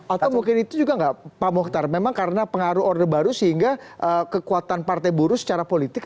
atau mungkin itu juga nggak pak muhtar memang karena pengaruh orde baru sehingga kekuatan partai buruh secara politik